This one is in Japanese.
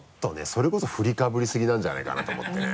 それこそ振りかぶりすぎなんじゃないかなと思ってね。